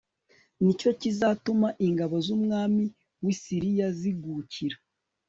ni cyo kizatuma ingabo zumwami wi Siriya zigukira